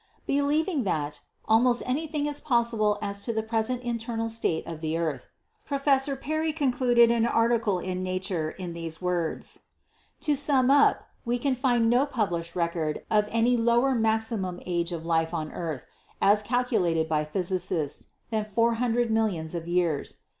Believing that "almost anything is possible as to the present internal state of the earth," Professor Perry con cluded an article in 'Nature' in these words : "To sum up, we can find no published record of any lower maximum age of life on the earth, as calculated by physicists, than 400 millions of years.